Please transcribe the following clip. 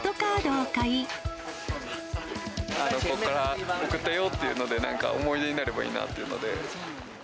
ここから送ったよっていうので、なんか思い出になればいいなというので。